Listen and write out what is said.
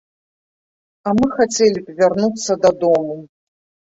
А мы хацелі б вярнуцца дадому.